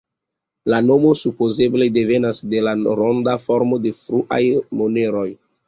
La nomo supozeble devenas de la ronda formo de fruaj moneroj.